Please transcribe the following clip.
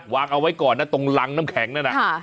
วางเอาไว้ก่อนนะตรงรังน้ำแข็งนั่นน่ะ